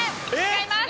違います。